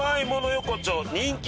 横丁人気